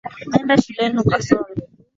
Nenda shule ukasome